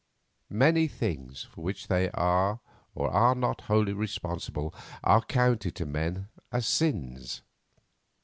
Many things for which they are or are not wholly responsible are counted to men as sins.